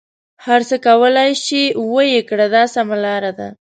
هر څه کولای شې ویې کړه دا سمه لاره ده.